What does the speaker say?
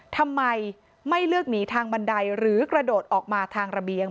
ทำไมไม่เลือกหนีทางบันไดหรือกระโดดออกมาทางระเบียง